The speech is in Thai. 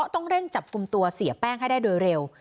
ต้องเร่งจับกลุ่มตัวเสียแป้งให้ได้โดยเร็ว